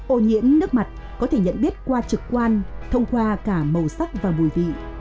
ô nhiễm nước mặt có thể nhận biết qua trực quan thông qua cả màu sắc và mùi vị